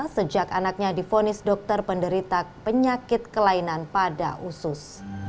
sejak anaknya difonis dokter penderita penyakit kelainan pada usus